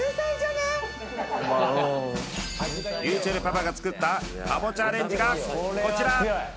りゅうちぇるパパが作ったかぼちゃアレンジがこちら！